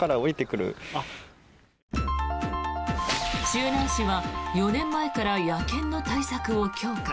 周南市は４年前から野犬の対策を強化。